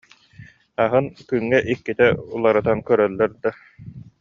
Аһын күҥҥэ иккитэ уларытан көрөллөр да